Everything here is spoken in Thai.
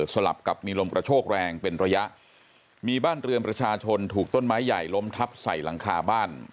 ลับกับมีลมกระโชกแรงเป็นระยะมีบ้านเรือนประชาชนถูกต้นไม้ใหญ่ล้มทับใส่หลังคาบ้าน